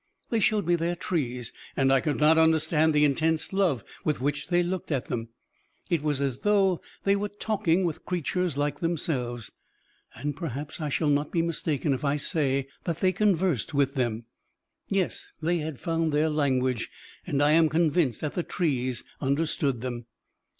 They showed me their trees, and I could not understand the intense love with which they looked at them; it was as though they were talking with creatures like themselves. And perhaps I shall not be mistaken if I say that they conversed with them. Yes, they had found their language, and I am convinced that the trees understood them.